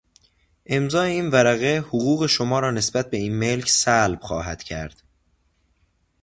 امضای این ورقه حقوق شما را نسبت به این ملک سلب خواهد کرد.